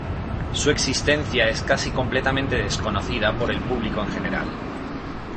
Su existencia es casi completamente desconocida por el público en general.